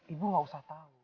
ibu gak usah tahu